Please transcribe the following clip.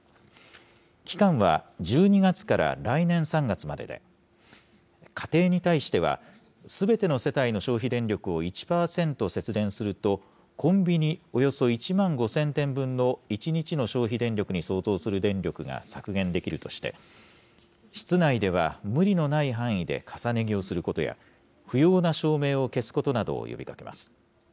期間は１２月から来年３月までで、家庭に対しては、すべての世帯の消費電力を１％節電すると、コンビニおよそ１万５０００店分の１日の消費電力に相当する電力が削減できるとして、室内では無理のない範囲で重ね着をすることや、不要な照明を消すことなどを呼びかけます。